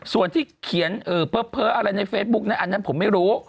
ส่วนที่เขียนเพ้ออะไรในเฟซบุ๊กนั้นอันนั้นผมไม่รู้